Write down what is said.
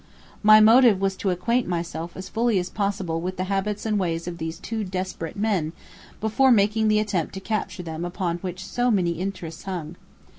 My motive was to acquaint myself as fully as possible with the habits and ways of these two desperate men, before making the attempt to capture them upon which so many interests hung.